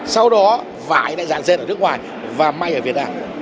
sau đó vải lại giản diệt ở nước ngoài và mây ở việt nam